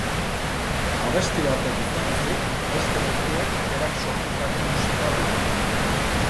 Abesti batek izan ezik, beste guztiek berak sortutako musika dute.